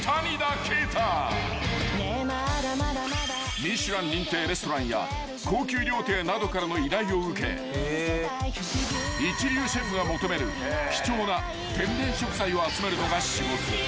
［『ミシュラン』認定レストランや高級料亭などからの依頼を受け一流シェフが求める貴重な天然食材を集めるのが仕事］